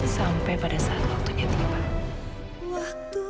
sampai pada saat waktunya gimana